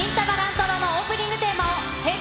太郎のオープニングテーマを、Ｈｅｙ！